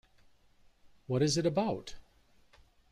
What is it about?